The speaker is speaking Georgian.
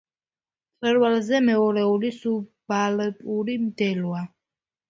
მწვერვალზე მეორეული სუბალპური მდელოა.